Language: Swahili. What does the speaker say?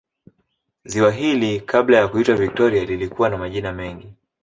Ziwa hili kabla ya kuitwa Victoria lilikuwa na majina mengi